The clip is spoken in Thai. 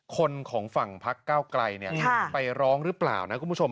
คนของฝั่งพักเก้าไกลไปร้องหรือเปล่านะคุณผู้ชม